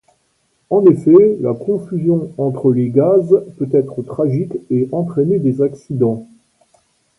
En effet, la confusion entre les gaz peut être tragique et entraîner des accidents.